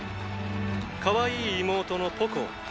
かわいい妹のポコア。